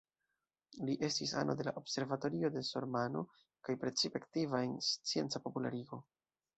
Li estis ano de la Observatorio de Sormano kaj precipe aktiva en scienca popularigo.